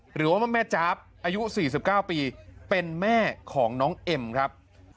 หรือว่าแม่จ๊าฟอายุสี่สิบเก้าปีเป็นแม่ของน้องเอ็มครับ